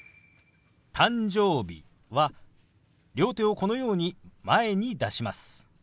「誕生日」は両手をこのように前に出します。